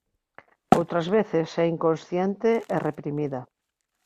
Outras veces é inconsciente e reprimida.